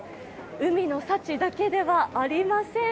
海の幸だけではありません。